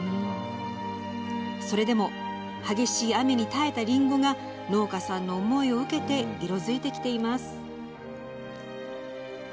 それでも激しい雨に耐えた、りんごが農家さんの思いを受けて色づいてきています。